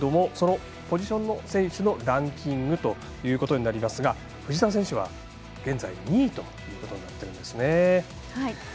そのポジションの選手のランキングということになりますが藤澤選手は、現在２位ということになっているんですね。